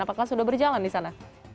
apakah sudah berjalan di sana